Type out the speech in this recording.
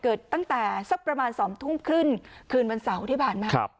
เกิดตั้งแต่สักประมาณ๒ทุ่มครึ่งคืนวันเสาร์ที่ผ่านมา